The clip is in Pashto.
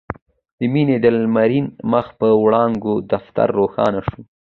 د مينې د لمرين مخ په وړانګو دفتر روښانه شو.